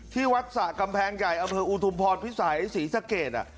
ที่วัดศาสตร์กำแพงใหญ่เออเมอร์อูทูปรสพิสาหร่ายสีสเกจอ่ะ